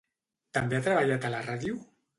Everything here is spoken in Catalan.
També ha treballat a la ràdio?